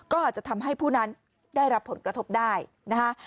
ก็อาจจะทำให้ผู้นั้นได้รับผลกระทบได้นะคะ